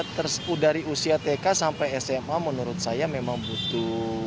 karena dari usia tk sampai sma menurut saya memang butuh